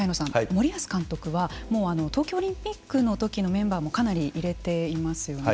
森保監督は東京オリンピックの時のメンバーもかなり入れていますよね。